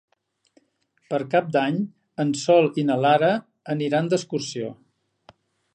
Per Cap d'Any en Sol i na Lara aniran d'excursió.